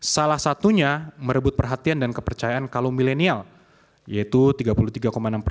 salah satunya merebut perhatian dan kepercayaan kaum milenial yaitu tiga puluh tiga enam persen